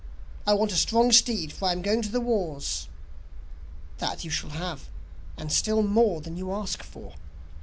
'I want a strong steed, for I am going to the wars.' 'That you shall have, and still more than you ask for.